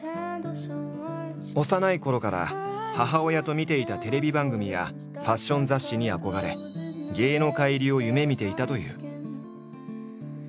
幼いころから母親と見ていたテレビ番組やファッション雑誌に憧れ芸能界入りを夢みていたという。